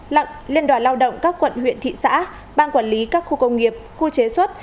lặng liên đoàn lao động các quận huyện thị xã bang quản lý các khu công nghiệp khu chế xuất